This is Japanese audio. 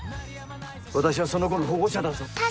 私はその子の保護者だぞ。